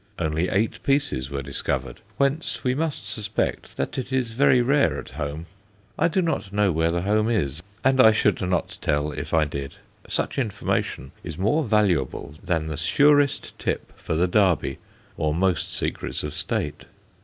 Only eight pieces were discovered, whence we must suspect that it is very rare at home; I do not know where the home is, and I should not tell if I did. Such information is more valuable than the surest tip for the Derby, or most secrets of State.